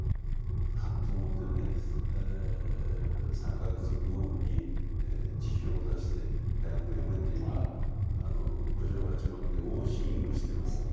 ハッと思ってね３か月後に辞表を出して大学を辞めて今郡上八幡で往診医をしてますと。